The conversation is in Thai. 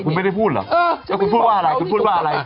คุณไม่ได้พูดเหรอแล้วคุณพูดว่าอะไรคุณพูดว่าอะไร